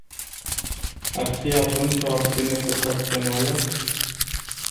Ar fi atunci o acțiune proporțională?